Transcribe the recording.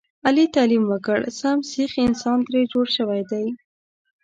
علي تعلیم وکړ سم سیخ انسان ترې جوړ شوی دی.